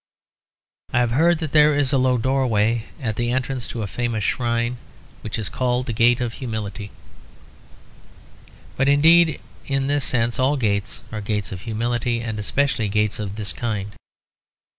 I have heard that there is a low doorway at the entrance to a famous shrine which is called the Gate of Humility; but indeed in this sense all gates are gates of humility, and especially gates of this kind.